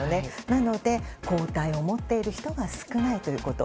なので抗体を持っている人が少ないということ。